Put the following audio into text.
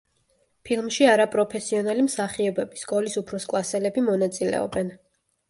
ფილმში არაპროფესიონალი მსახიობები, სკოლის უფროსკლასელები, მონაწილეობენ.